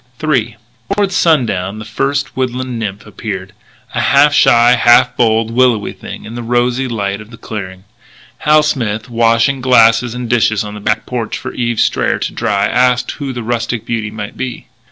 III Toward sundown the first woodland nymph appeared a half shy, half bold, willowy thing in the rosy light of the clearing. Hal Smith, washing glasses and dishes on the back porch for Eve Strayer to dry, asked who the rustic beauty might be.